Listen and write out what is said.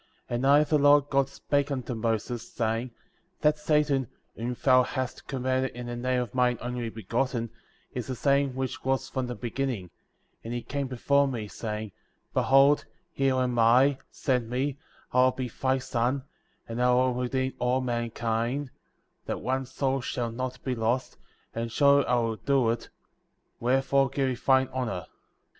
And I, the Lord God, spake^ unto Moses, saying : That Satan,^ whom thou hast commanded in the name of mine Only Begotten,^ is the same which was from the beginning,^ and he came before me, saying — Behold, here am I, send me, I will be thy son, and I will redeem all mankind, that one soul shall not be lost, and surely I will do it; wherefore give me thine honor.